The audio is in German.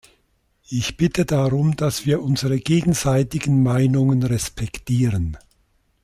Ich bitte darum, dass wir unsere gegenseitigen Meinungen respektieren.